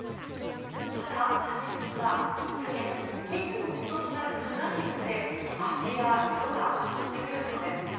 また、蜂蜜は蜜源、蜜のもととなる花によって味や色が変わってくるそうです。